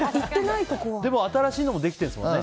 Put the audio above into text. でも新しいのもできてるんですよね。